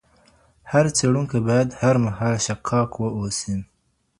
هر څېړونکی باید هر مهال شکاک واوسي.